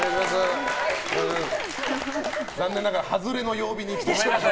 残念ながら外れの曜日に来てしまいました。